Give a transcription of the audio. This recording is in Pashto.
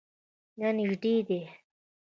نه، نژدې دی